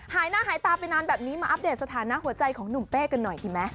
หายหน้าหายตาไปนานแบบนี้มาอัปเดตสถานะหัวใจของหนุ่มเป้กันหน่อยดีไหม